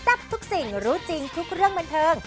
ทับทุกสิ่งรู้จริงทุกเรื่องบันเทิง